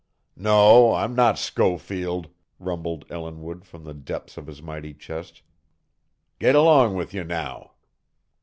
"No, I'm not Schofield," rumbled Ellinwood from the depths of his mighty chest. "Get along with you now!"